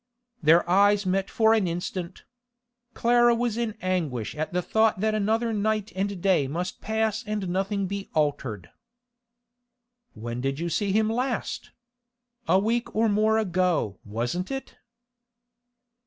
Their eyes met for an instant. Clara was in anguish at the thought that another night and day must pass and nothing be altered. 'When did you see him last? A week or more ago, wasn't it?